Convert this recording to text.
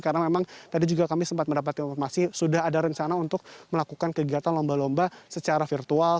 karena memang tadi juga kami sempat mendapat informasi sudah ada rencana untuk melakukan kegiatan lomba lomba secara virtual